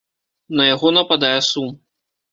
На яго нападае сум.